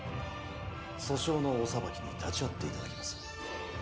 訴訟のお裁きに立ち会っていただきます。